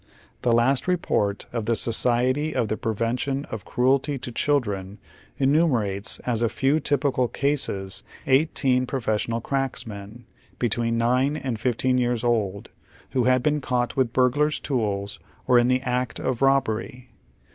Tlie last I'eport of tlie Society foi' tlie' Prevention of Cruelty to Cliildren enumerates, as " a few typical cases," eighteen " professional cracksmen," between nine and fifteen years old, wiio had been caught with burglars' tools, or in the act of robbery.